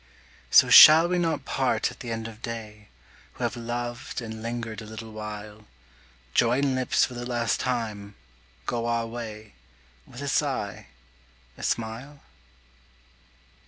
So shall we not part at the end of day, Who have loved and lingered a little while, Join lips for the last time, go our way, With a sigh, a smile?